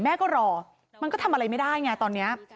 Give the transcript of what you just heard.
แม่ก็รอมันก็ทำอะไรไม่ได้ไงตอนนี้